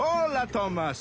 トーマス。